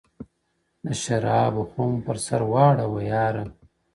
د شرابو خُم پر سر واړوه یاره؛